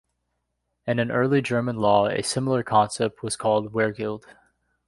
In an early German law, a similar concept was called weregild.